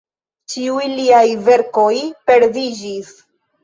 Ĉiuj liaj verkoj perdiĝis.